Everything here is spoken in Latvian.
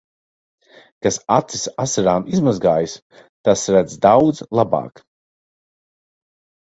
Kas acis asarām izmazgājis, tas redz daudz labāk.